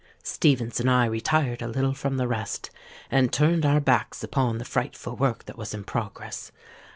Stephens and I retired a little from the rest, and turned our backs upon the frightful work that was in progress.